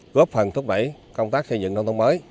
góp phần thúc đẩy công tác xây dựng nông thôn mới